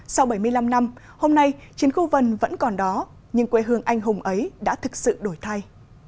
sau bảy mươi năm năm hôm nay chiến khu vần vẫn còn đó nhưng quê hương anh hùng ấy đã thực sự đổi thay